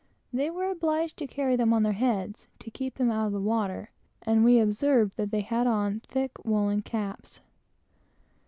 They were obliged to carry them on their heads, to keep them out of the water, and we observed that they had on thick woolen caps.